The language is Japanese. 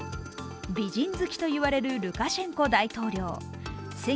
美人好きと言われるルカシェンコ大統領。